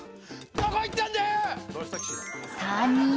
どこ行ったんだよ！